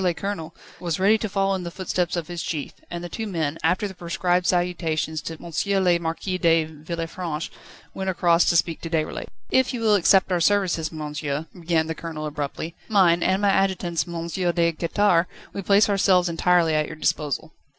le Colonel, was ready to follow in the footsteps of his chief, and the two men, after the prescribed salutations to M. le Marquis de Villefranche, went across to speak to Déroulède. "If you will accept our services, monsieur," began the Colonel abruptly, "mine, and my adjutant's, M. de Quettare, we place ourselves entirely at your disposal."